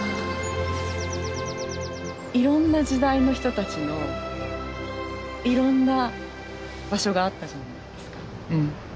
いろんな時代の人たちのいろんな場所があったじゃないですか。